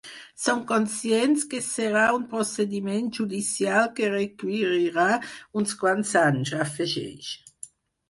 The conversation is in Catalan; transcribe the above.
Som conscients que serà un procediment judicial que requerirà uns quants anys, afegeix.